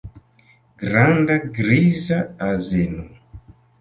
Granda griza azeno.